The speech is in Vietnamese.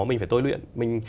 mình phải tôi luyện